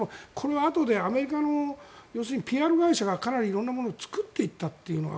あとでアメリカのＰＲ会社がかなり色んなものを作っていったというのが。